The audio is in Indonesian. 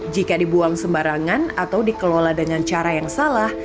jika dibuang sembarangan atau dikelola dengan cara yang salah